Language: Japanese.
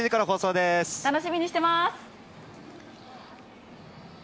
楽しみにしてます。